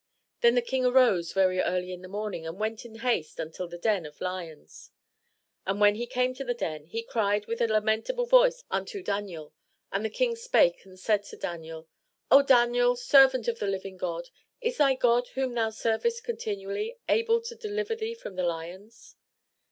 Then the King arose very early in the morning, and went in haste unto the den of lions. And when he came to the den, he cried with a lamentable voice unto Daniel. And the King spake and said to Daniel. ''O Daniel, servant of the living God, is thy God whom thou servest continually, able to deliver thee from the lions?'